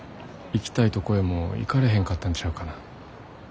行きたいとこへも行かれへんかったんちゃうかな。